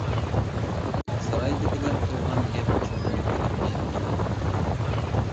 — سارايدىكىلەر قىلغان گەپ، چوقۇم ھېلىقى بالا.